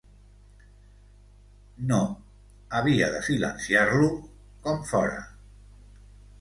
No, havia de silenciar-lo, com fóra.